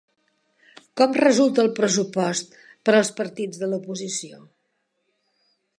Com resulta el pressupost per als partits de l'oposició?